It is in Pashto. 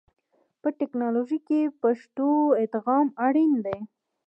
په ټکنالوژي کې پښتو ادغام اړین دی.